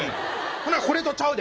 ほなこれとちゃうで。